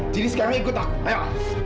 jadi sekarang ikut aku ayo